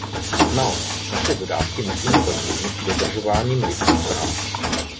Naopak, naše dodávky musíme podmínit dodržováním lidských práv.